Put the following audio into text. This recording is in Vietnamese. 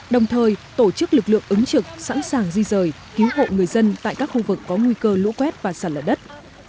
đồng thời tổ chức lực lượng ứng trực sẵn sàng di rời cứu hộ người dân tại các khu vực có nguy cơ lũ quét và sạt lở đất